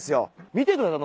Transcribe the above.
見てください。